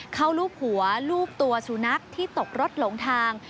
รูปหัวรูปตัวสุนัขที่ตกรถหลงทาง